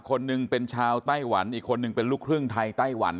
คนหนึ่งเป็นชาวไต้หวันอีกคนนึงเป็นลูกครึ่งไทยไต้หวัน